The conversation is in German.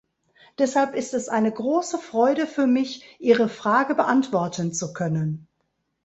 Deshalb ist es eine große Freude für mich, Ihre Frage beantworten zu können.